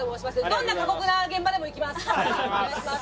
どんな過酷な現場でも行きます！